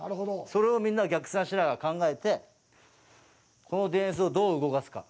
それをみんな、逆算しながら考えて、このディフェンスをどう動かすか。